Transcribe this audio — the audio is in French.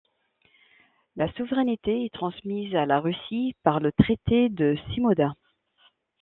La souveraineté est transmise à la Russie par le Traité de Shimoda.